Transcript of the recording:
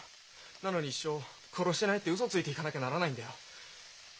なのに一生「殺してない」ってウソをついていかなきゃならないんだよ。